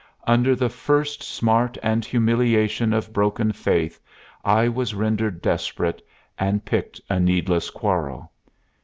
Under the first smart and humiliation of broken faith I was rendered desperate, and picked a needless quarrel.